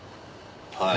はい。